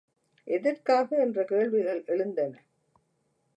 எதற்காக என்ற கேள்விகள் எழுந்தன.